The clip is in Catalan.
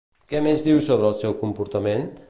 Què més diu sobre el seu comportament?